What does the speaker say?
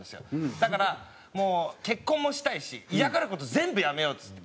だからもう結婚もしたいし嫌がる事全部やめようっつって。